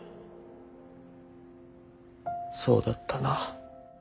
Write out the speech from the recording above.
そうだったな。